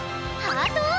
ハートを！